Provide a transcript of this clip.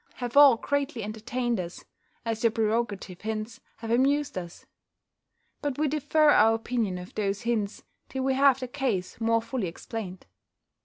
have all greatly entertained us, as your prerogative hints have amused us: but we defer our opinion of those hints, till we have the case more fully explained.